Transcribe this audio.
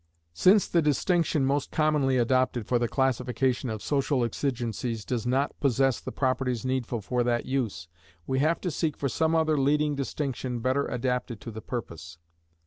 Since the distinction most commonly adopted for the classification of social exigencies does not possess the properties needful for that use, we have to seek for some other leading distinction better adapted to the purpose.